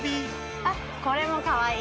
あっ、これもかわいい。